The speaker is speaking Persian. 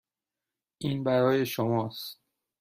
این برای شماست.